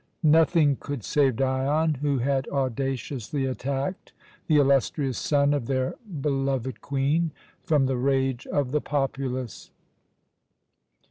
Nothing could save Dion, who had audaciously attacked the illustrious son of their beloved Queen, from the rage of the populace.